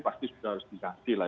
pasti sudah harus diganti lah